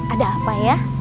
ada apa ya